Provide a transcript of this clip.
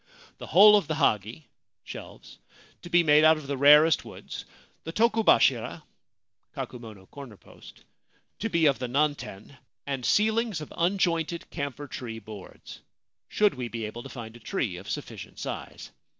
The whole of the hagi1 to be made out of the rarest woods ; the tokobashira 2 to be of the nanten, and ceilings of unjointed camphor tree boards, should we be able to find a tree of sufficient size.